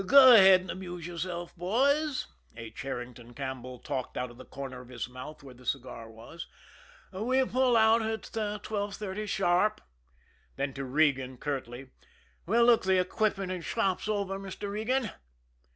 "Go ahead and amuse yourselves, boys." H. Herrington Campbell talked out of the corner of his mouth where the cigar was. "We pull out at twelve thirty sharp." Then to Regan, curtly: "We'll look the equipment and shops over, Mr. Regan."